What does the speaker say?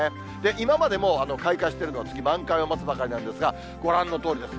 今までも開花してるのは、次、満開を待つばかりなんですが、ご覧のとおりです。